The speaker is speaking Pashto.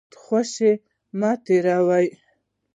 وخت خوشي مه تېروئ.